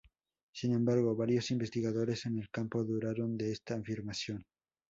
Sin embargo, varios investigadores en el campo dudaron de esta afirmación.